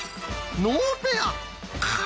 ノーペア？か！